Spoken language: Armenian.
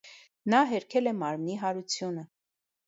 Նա հերքել է «մարմնի հարությունը»։